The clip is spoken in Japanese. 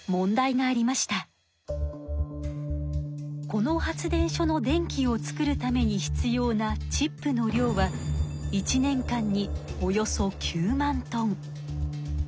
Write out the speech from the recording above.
この発電所の電気を作るために必要なチップの量は１年間におよそ９万トン。